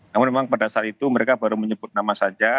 namun memang pada saat itu mereka baru menyebut nama saja